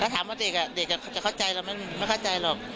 ถ้าถามว่าเด็กจะเข้าใจหรือไม่ไม่เข้าใจหรอก